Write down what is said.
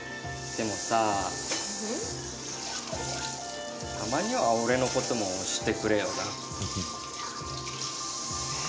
でもさ、たまには俺のことも推してくれよな？